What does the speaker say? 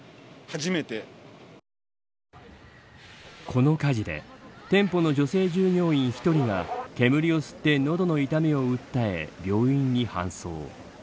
この火事で店舗の女性従業員１人が煙を吸って、喉の痛みを訴え病院に搬送。